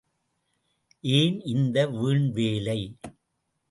ஏன் இந்த வீண்வேலை.